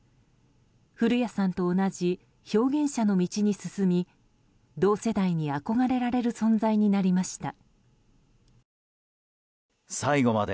古谷さんと同じ表現者の道に進み同世代に憧れられる存在になりました。